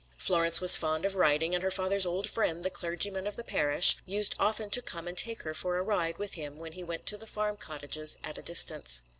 Florence was fond of riding, and her father's old friend, the clergyman of the parish, used often to come and take her for a ride with him when he went to the farm cottages at a distance.